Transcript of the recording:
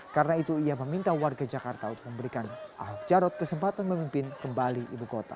karena itu ia meminta warga jakarta untuk memberikan ahok jarot kesempatan memimpin kembali ibu kota